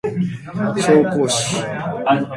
紹興酒